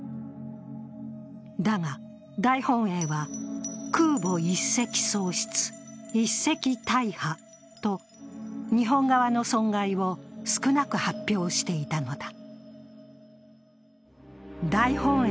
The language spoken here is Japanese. だが大本営は、「空母１隻喪失、１隻大破」と日本側の損害を少なく発表していたのだ。